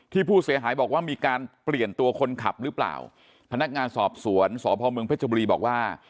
ผู้เสียหายบอกว่ามีการเปลี่ยนตัวคนขับหรือเปล่าพนักงานสอบสวนสพเมืองเพชรบุรีบอกว่า